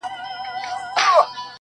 o د خدای کار وو هلکان دواړه لویان سوه,